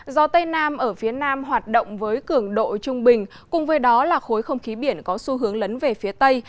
gió tây nam ở phía nam hoạt động với cường độ trung bình cùng với đó là khối không khí biển có xu hướng lấn về phía tây